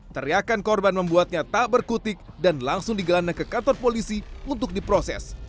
teriakan korban membuatnya tak berkutik dan langsung digelandang ke kantor polisi untuk diproses